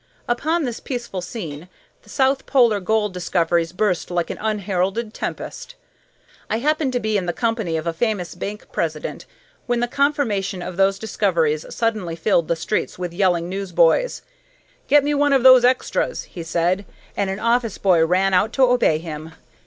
Upon this peaceful scene the south polar gold discoveries burst like an unheralded tempest. I happened to be in the company of a famous bank president when the confirmation of those discoveries suddenly filled the streets with yelling newsboys. "Get me one of those 'extras'!" he said, and an office boy ran out to obey him.